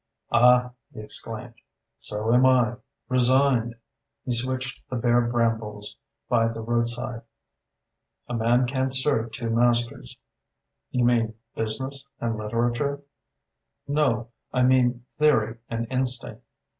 "Ah," he exclaimed, "so am I. Resigned." He switched the bare brambles by the roadside. "A man can't serve two masters." "You mean business and literature?" "No; I mean theory and instinct.